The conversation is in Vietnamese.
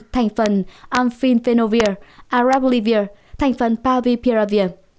thành phần amphiphenovir arabolivir thành phần pavipiravir